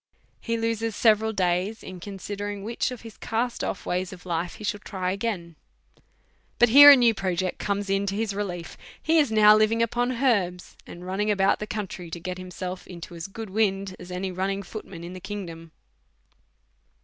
He loses several days in con sidering which of his cast off ways of life he should try again. DEVOUT AND HOLY LIFE. 137 But here a new project comes in to his relief. He is now living upon herbs, and running about the coun try, to get himself into as good wind as any running footman in the kingdom.